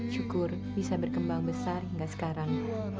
syukur bisa berkembang besar hingga sekarang